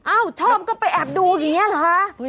ชอบก็ไปแอบดูอย่างนี้เหรอคะ